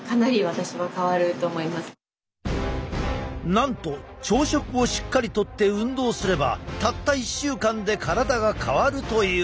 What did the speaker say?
なんと朝食をしっかりとって運動すればたった１週間で体が変わるという！